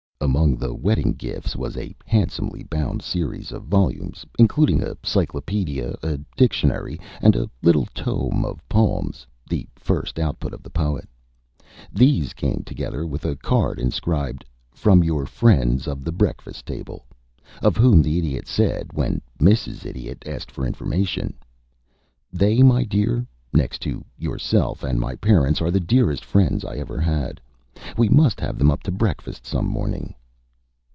Among the wedding gifts was a handsomely bound series of volumes, including a cyclopædia, a dictionary, and a little tome of poems, the first output of the Poet. These came together, with a card inscribed, "From your Friends of the Breakfast Table," of whom the Idiot said, when Mrs. Idiot asked for information: "They, my dear, next to yourself and my parents, are the dearest friends I ever had. We must have them up to breakfast some morning."